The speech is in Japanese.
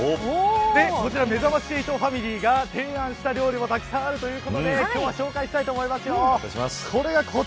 こちら、めざまし８ファミリーが提案した料理もたくさんあるということで紹介したいと思います。